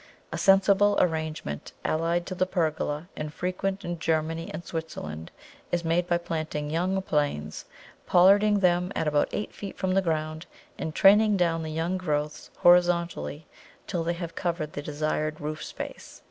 A sensible arrangement, allied to the pergola, and frequent in Germany and Switzerland, is made by planting young Planes, pollarding them at about eight feet from the ground, and training down the young growths horizontally till they have covered the desired roof space.